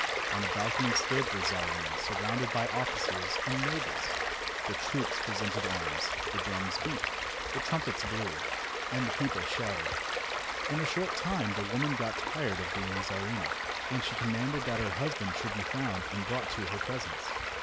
On a balcony stood the Czarina surrounded by officers and nobles. The troops presented arms, the drums beat, the trumpets blew, and the people shouted. In a short time the woman got tired of being Czarina, and she commanded that her husband should be found and brought to her presence.